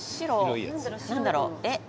何だろう？